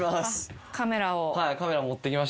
カメラを。